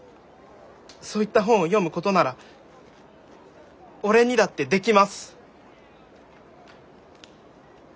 そういった本を読むことなら俺にだってできます！